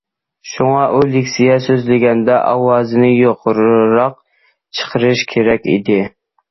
شۇڭا ئۇ لېكسىيە سۆزلىگەندە ئاۋازىنى يۇقىرىراق چىقىرىشى كېرەك ئىدى.